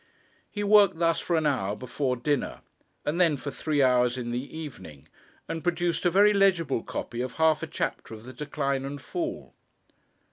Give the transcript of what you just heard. He worked thus for an hour before dinner, and then for three hours in the evening, and produced a very legible copy of half a chapter of the 'Decline and Fall.'